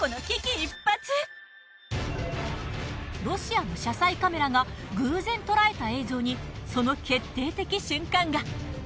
ロシアの車載カメラが偶然捉えた映像にその決定的瞬間が。